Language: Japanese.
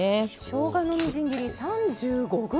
しょうがのみじん切り３５ｇ！